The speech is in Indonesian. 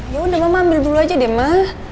ya udah mama ambil dulu aja deh mah